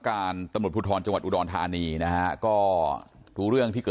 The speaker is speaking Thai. น่าจะมาขอกันวันที่๑๙ที่จะถึงนี้ครับ